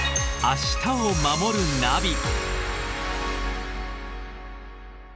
「明日をまもるナビ」